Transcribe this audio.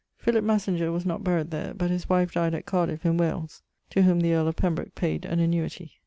Philip Massinger was not buried there; but his wife dyed at Cardiffe in Wales, to whom the earl of Pembroke payd an annuity.